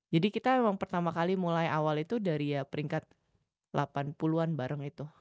jadi kita emang pertama kali mulai awal itu dari ya peringkat delapan puluh an bareng itu